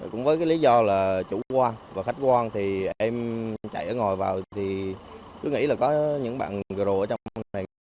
cũng với cái lý do là chủ quan và khách quan thì em chạy ở ngồi vào thì cứ nghĩ là có những bạn gồm ở trong sân bay